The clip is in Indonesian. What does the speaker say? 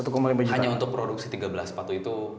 hanya untuk produksi tiga belas sepatu itu